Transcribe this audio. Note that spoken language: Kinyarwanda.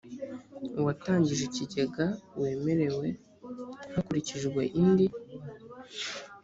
uwatangije ikigega wemerewe hakurikijwe indi